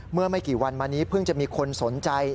เมื่อไม่กี่วันมานี้เพิ่งจะมีคนสนใจ